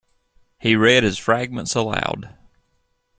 He read his fragments aloud.